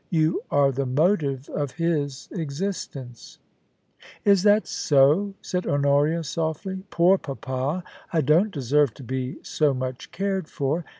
You are the motive of his existence.' * Is that so ?* said Honoria, softly. * Poor papa ! I don't deserve to be so much cared for.